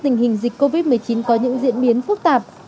tình hình dịch covid một mươi chín có những diễn biến phức tạp